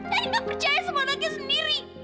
dadi gak percaya sama rakyat sendiri